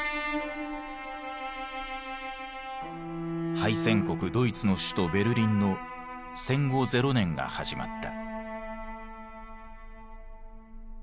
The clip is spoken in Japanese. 敗戦国ドイツの首都ベルリンの戦後ゼロ年が始まった。